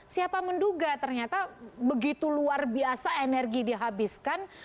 siapa menduga ternyata begitu luar biasa energi dihabiskan